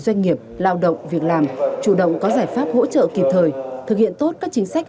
doanh nghiệp lao động việc làm chủ động có giải pháp hỗ trợ kịp thời thực hiện tốt các chính sách